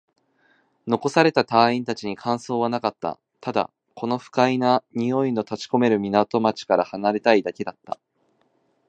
残された隊員達に感想はなかった。ただ、早くこの不快な臭いの立ち込める港町から離れたいだけだった。